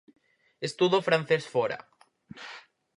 Estudo francés fóra.